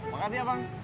makasih ya bang